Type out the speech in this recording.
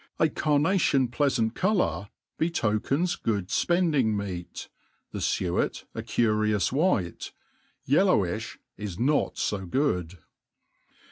A carnation pieaTant colpvir betokena ^oojd fpendiflg meal, the fuet a curioua white | yi^ilpwiih is not fo good.